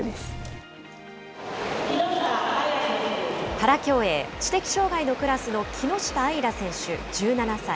パラ競泳、知的障害のクラスの木下あいら選手１７歳。